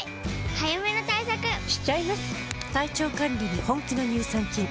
早めの対策しちゃいます。